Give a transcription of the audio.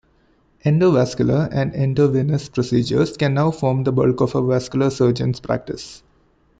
Endovascular and endovenous procedures can now form the bulk of a vascular surgeon's practice.